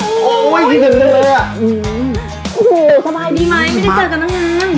ใส่ไว้ดีมั้ยไม่ได้เจอกับนักงาน